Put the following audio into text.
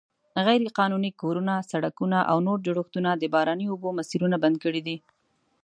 غیرقانوني کورونه، سړکونه او نور جوړښتونه د باراني اوبو مسیرونه بند کړي دي.